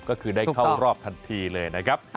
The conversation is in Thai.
ก็คือได้เข้ารอบทันทีเลยนะครับ